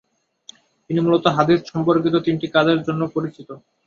তিনি মূলত হাদীস সম্পর্কিত তিনটি কাজের জন্য পরিচিত: